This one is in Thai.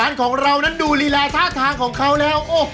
มาแล้ว